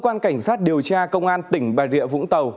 cơ quan cảnh sát điều tra công an tỉnh bà rịa vũng tàu